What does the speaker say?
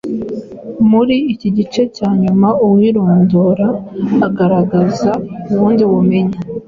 Muri iki gice cya nyuma, uwirondora agaragaza ubundi bumenyi